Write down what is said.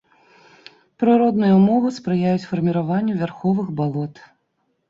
Прыродныя ўмовы спрыяюць фарміраванню вярховых балот.